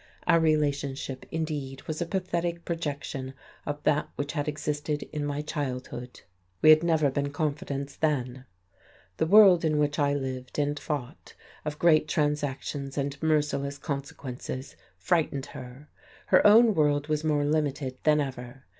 Our relationship, indeed, was a pathetic projection of that which had existed in my childhood; we had never been confidants then. The world in which I lived and fought, of great transactions and merciless consequences frightened her; her own world was more limited than ever.